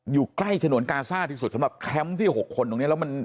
อยู่ใกล้ฉนวนกาซ่าที่สุดสำหรับแคมป์ที่๖คนตรงนี้แล้วมัน